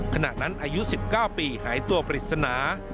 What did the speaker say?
ขณะนั้นอายุ๑๙ปีหายตัวปริศนา